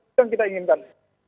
itu yang kita inginkan